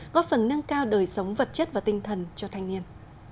góp phần nâng cao đời sống vật chất và tinh thần cho thanh niên